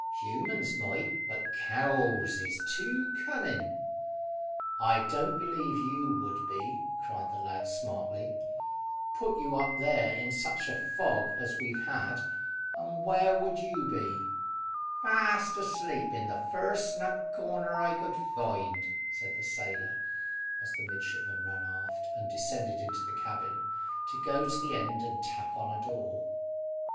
Humans might, but cows is too cunning." "I don't believe you would be," cried the lad smartly. "Put you up there in such a fog as we've had, and where would you be?" "Fast asleep in the first snug corner I could find," said the sailor, as the midshipman ran aft, and descended into the cabin, to go to the end and tap on a door.